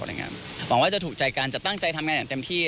หวังว่าจะถูกใจกันจะตั้งใจทำงานอย่างเต็มที่